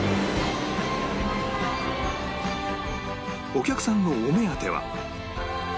お客さんのお目当ては